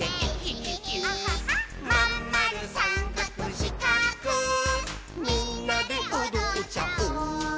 「まんまるさんかくしかくみんなでおどっちゃおう」